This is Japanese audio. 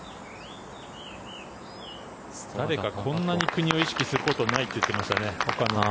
誰かこんなに国を意識することはないって言ってましたね。